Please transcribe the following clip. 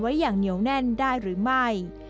อย่างเหนียวแน่นได้หรือไม่